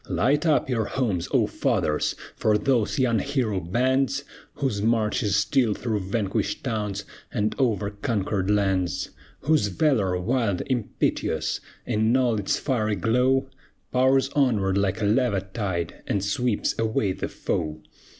Light up your homes, O fathers! For those young hero bands, Whose march is still through vanquished towns, And over conquered lands! Whose valor, wild, impetuous, In all its fiery glow, Pours onward like a lava tide, And sweeps away the foe!